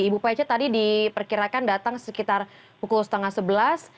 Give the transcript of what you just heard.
ibu pece tadi diperkirakan datang sekitar pukul setengah sebelas